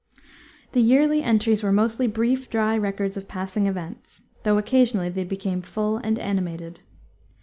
The yearly entries were mostly brief, dry records of passing events, though occasionally they become full and animated.